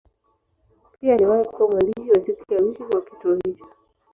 Pia aliwahi kuwa mwandishi wa siku ya wiki kwa kituo hicho.